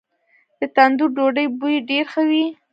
د تندور ډوډۍ بوی ډیر ښه وي.